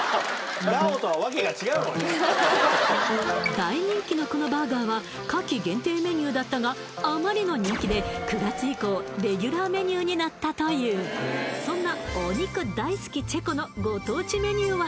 大人気のこのバーガーは夏季限定メニューだったがあまりの人気で９月以降レギュラーメニューになったというそんなお肉大好きチェコのご当地メニューは？